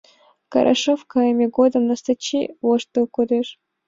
Карашов кайыме годым Настачи воштыл кодеш.